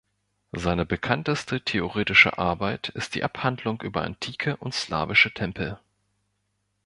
Seine bekannteste theoretische Arbeit ist die „Abhandlung über antike und slawische Tempel“.